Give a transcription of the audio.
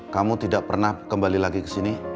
kamu tidak pernah kembali lagi ke sini